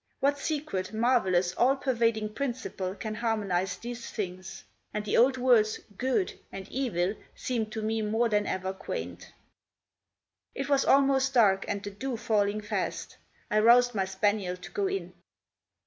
What secret, marvellous, all pervading Principle can harmonise these things! And the old words 'good' and 'evil' seemed to me more than ever quaint. It was almost dark, and the dew falling fast; I roused my spaniel to go in.